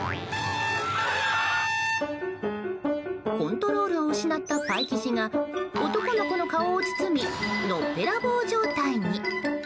コントロールを失ったパイ生地が男の子の顔を包みのっぺらぼう状態に。